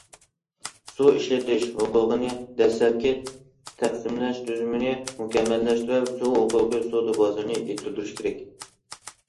سۇ ئىشلىتىش ھوقۇقىنى دەسلەپكى تەقسىملەش تۈزۈمىنى مۇكەممەللەشتۈرۈپ، سۇ ھوقۇقى سودا بازىرىنى يېتىلدۈرۈش كېرەك.